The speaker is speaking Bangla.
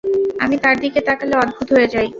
আমি তার দিকে তাকালে অদ্ভুত হয়ে যাই।